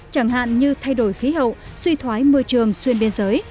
chẳng hạn như thay đổi khí hậu suy thoái môi trường xuyên biên giới